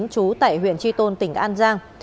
chú tại huyện tri tôn tỉnh an giang